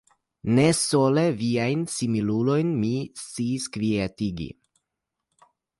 Ne sole viajn similulojn mi sciis kvietigi.